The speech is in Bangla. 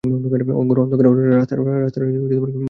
ঘর অন্ধকার হলেও রাস্তার কিছু আলো এসেছে।